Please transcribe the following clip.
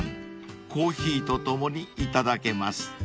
［コーヒーとともにいただけます］